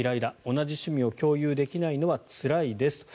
同じ趣味を共有できないのはつらいですと。